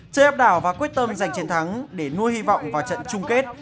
chơi áp đảo và quyết tâm giành chiến thắng để nuôi hy vọng vào trận chung kết